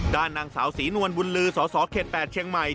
ด้านนางสาวศรีนวลบุญลือสสเขต๘เชียงใหม่